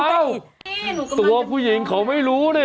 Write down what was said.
ตัวผู้หญิงเขาไม่รู้นี่